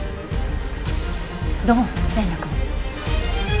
土門さんに連絡を。